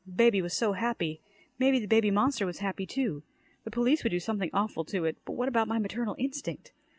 Baby was so happy. Maybe the baby monster was happy, too. The police would do something awful to it. But what about my maternal instinct?